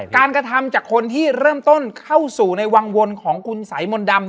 กระทำจากคนที่เริ่มต้นเข้าสู่ในวังวนของคุณสายมนต์ดำ